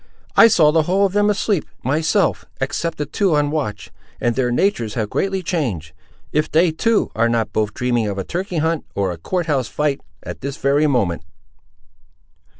"I saw the whole of them asleep, myself, except the two on watch; and their natures have greatly changed, if they, too, are not both dreaming of a turkey hunt, or a court house fight, at this very moment."